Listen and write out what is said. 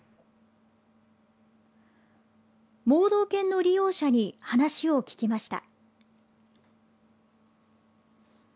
盲導犬の利用者に話を聞きました。